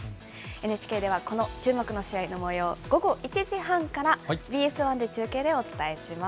ＮＨＫではこの注目の試合を午後１時半からＢＳ１で中継でお伝えします。